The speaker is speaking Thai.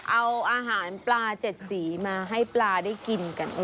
เอาอาหารปลา๗สีมาให้ปลาได้กินกัน